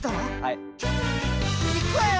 いくわよ！